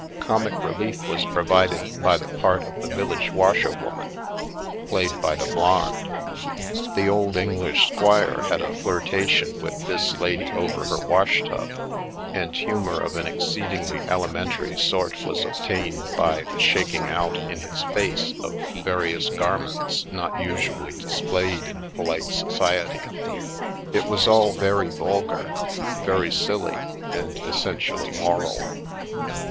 Comic relief was provided by the part of the village washerwoman, played by the Blonde. " The old English squire " had a flirtation with this lady over her wash tub, and humour of an exceed ingly elementary sort was obtained by the shaking out in his face of various garments not usually displayed in polite society. It was all very vulgar, very silly, and essentially moral.